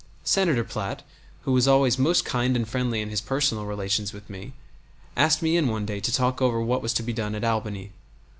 Senator Platt, who was always most kind and friendly in his personal relations with me, asked me in one day to talk over what was to be done at Albany.